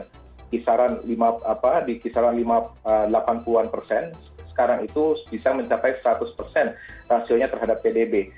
di kisaran delapan puluh an persen sekarang itu bisa mencapai seratus persen rasionya terhadap pdb